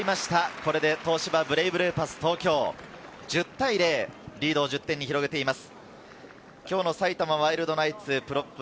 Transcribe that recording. これで東芝ブレイブルーパス東京、１０対０、リードを１０点に広げています。